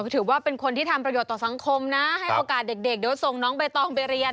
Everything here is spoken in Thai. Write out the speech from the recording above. ถือว่าเป็นคนที่ทำประโยชน์ต่อสังคมนะให้โอกาสเด็กเดี๋ยวส่งน้องใบตองไปเรียน